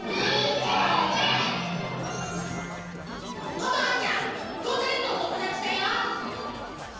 ことはちゃん５さいのおともだちだよ。